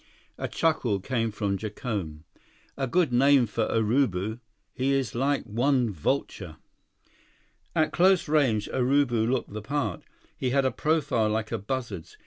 A chuckle came from Jacome. "A good name for Urubu. He is like one vulture!" At close range, Urubu looked the part. He had a profile like a buzzard's.